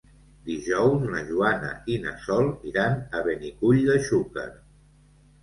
Dijous na Joana i na Sol iran a Benicull de Xúquer.